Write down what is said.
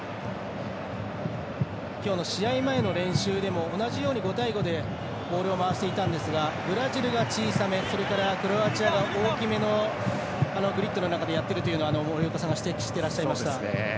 今日の試合前の練習でも同じように５対５でボールを回していたんですがブラジルが小さめそれからクロアチアが大きめのグリッドの中でやっているというのを森岡さんは指摘していらっしゃいました。